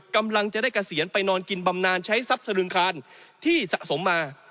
กำลังจะได้เกษียณไปนอนกินบำนานใช้ทรัพย์สลึงคานที่สะสมมา